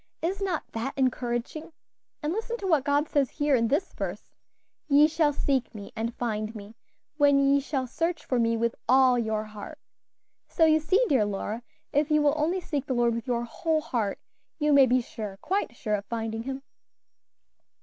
Is not that encouraging? And listen to what God says here in this verse: 'Ye shall seek me and find me, when ye shall search for me with all your heart.' So you see, dear Lora, if you will only seek the Lord with your whole heart, you may be sure, quite sure of finding Him."